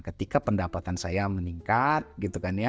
ketika pendapatan saya meningkat